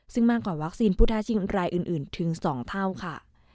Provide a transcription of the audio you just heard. ซึ่งมากกว่าวัคซีนผู้ท้าชิงรายอื่นถึง๒เท่าค่ะ